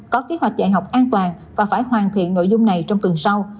có kế hoạch dạy học an toàn và phải hoàn thiện nội dung này trong tuần sau